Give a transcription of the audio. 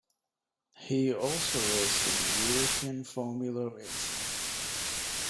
He also raced in European Formula Racing.